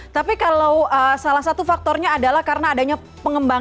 tapi kalau salah satu faktornya adalah karena adanya pengembangan